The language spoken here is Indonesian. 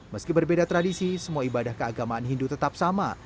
meski berbeda tradisi semua ibadah keagamaan hindu tetap sama